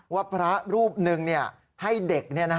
ว่าพระรูปหนึ่งให้เด็ก